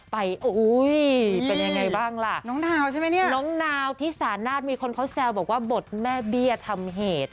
เป็นยังไงบ้างล่ะน้องนาวใช่ไหมเนี่ยน้องนาวที่สานาศมีคนเขาแซวบอกว่าบทแม่เบี้ยทำเหตุ